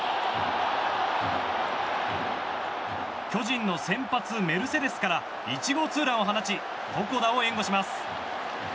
巨人の先発メルセデスから１号ツーランを放ち床田を援護します。